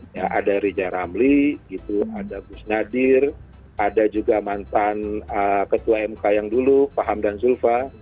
ya ada rija ramli gitu ada gus nadir ada juga mantan ketua mk yang dulu pak hamdan zulfa